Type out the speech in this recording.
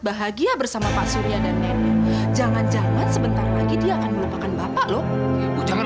bahagia bersama pak surya dan nemo jangan jangan sebentar lagi dia akan melupakan bapak lho jangan